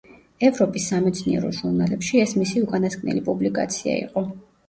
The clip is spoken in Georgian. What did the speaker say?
ევროპის სამეცნიერო ჟურნალებში ეს მისი უკანასკნელი პუბლიკაცია იყო.